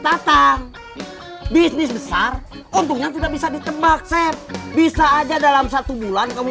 tatang bisnis besar untungnya tidak bisa ditebak set bisa aja dalam satu bulan kamu